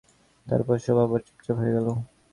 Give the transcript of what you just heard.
তারপর সব আবার চুপচাপ হয়ে গেল।